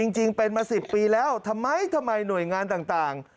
จริงเป็นมา๑๐ปีแล้วทำไมทำไมหน่วยงานต่าง